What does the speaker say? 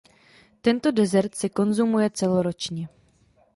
Tento desert se konzumuje celoročně.